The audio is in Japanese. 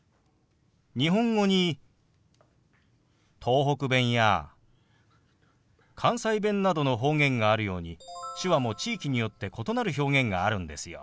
日本語に東北弁や関西弁などの方言があるように手話も地域によって異なる表現があるんですよ。